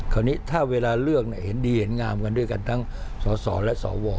คราวนี้ถ้าเวลาเลือกเห็นดีเห็นงามกันด้วยกันทั้งสสและสว